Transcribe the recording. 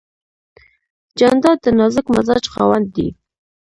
جانداد د نازک مزاج خاوند دی.